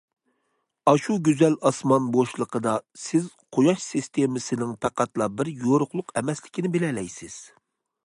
ئاشۇ گۈزەل ئاسمان بوشلۇقىدا، سىز قۇياش سىستېمىسىنىڭ پەقەتلا بىر، يورۇقلۇق ئەمەسلىكىنى بىلەلەيسىز.